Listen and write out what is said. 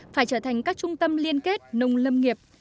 phải trở thành các trung tâm liên kết nông lâm nghiệp